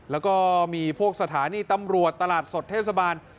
แล้วก็มีพวกสถานีตำรวจตลาดสดเทศบาล